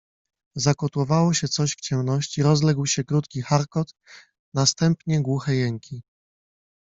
Zakotłowało się coś w ciemności, rozległ się krótki charkot, na stępnie głuche jęki.